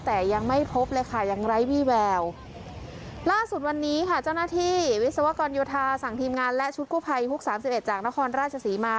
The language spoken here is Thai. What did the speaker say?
แต่ยังไม่พบเลยค่ะยังไร้วี่แววล่าสุดวันนี้ค่ะเจ้าหน้าที่วิศวกรโยธาสั่งทีมงานและชุดกู้ภัยฮุกสามสิบเอ็ดจากนครราชศรีมา